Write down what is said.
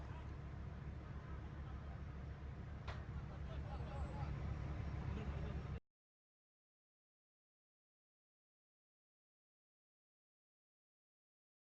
bada aceh ke pelabuhan tanjung priok